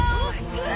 うわ！